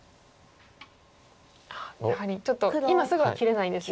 ああやはりちょっと今すぐは切れないんですね。